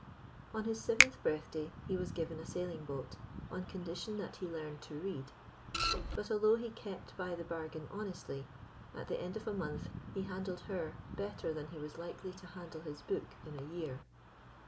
On his seventh birthday he was given a sailing boat, on condition that he learned to read; but, although he kept by the bargain honestly, at the end of a month he handled her better than he was likely to handle his book in a year.